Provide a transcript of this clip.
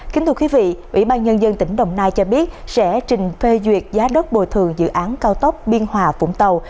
kính thưa quý vị ủy ban nhân dân tỉnh đồng nai cho biết sẽ trình phê duyệt giá đất bồi thường dự án cao tốc biên hòa vũng tàu